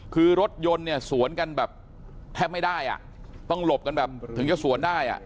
คือรถยนต์เนี่ยสวนกันแบบแทบไม่ได้อ่ะต้องหลบกันแบบถึงจะสวนได้อ่ะ